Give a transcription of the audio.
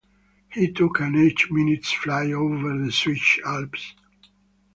He took an eight-minute flight over the Swiss Alps.